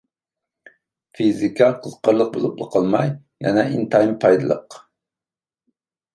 فىزىكا قىزىقارلىق بولۇپلا قالماي، يەنە ئىنتايىن پايدىلىق.